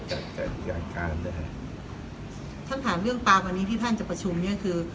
จัดการการด้วยค่ะฉันถามเรื่องปรามวันนี้ที่ท่านจะประชุมเนี่ยคือ